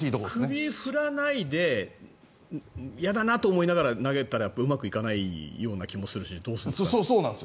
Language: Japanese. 首を振らないでやだなと思いながら投げたらうまくいかない気もするしどうするのかなと。